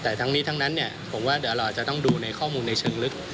แต่ทั้งนี้ทั้งนั้นผมว่าเดี๋ยวเราอาจจะต้องดูในข้อมูลในเชิงลึก